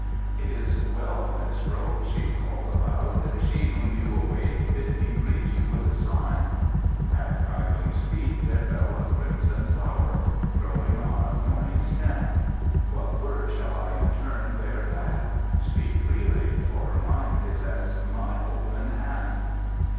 "It is well, minstrel," she called aloud. "She whom you await bid me greet you with a sign." At Kai Lung's feet there fell a crimson flower, growing on a thorny stem. "What word shall I in turn bear back? Speak freely, for her mind is as my open hand."